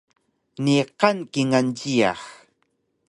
Niqan kingal jiyax